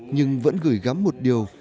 nhưng vẫn gửi gắm một điều